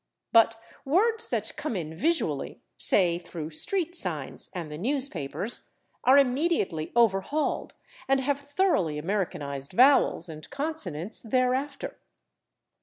But words that come in visually, say through street signs and the newspapers, are immediately overhauled and have thoroughly Americanized vowels and consonants thereafter.